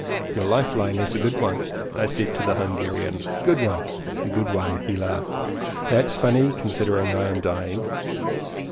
"Your life line is a good one," I said to the Hungarian. "Good one, good one!" he laughed, "That's funny, considering I am dying!"